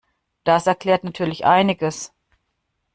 Das erklärt natürlich einiges.